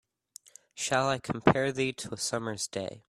Shall I compare thee to a summer's day